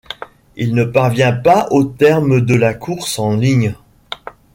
Il ne parvient pas au terme de la course en ligne.